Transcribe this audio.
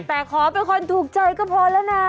แต่ขอเป็นคนถูกใจก็พอแล้วนะ